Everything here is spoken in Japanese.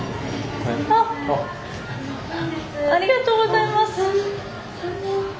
ありがとうございます。